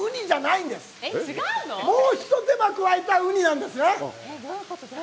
もう一手間加えたウニなんですね。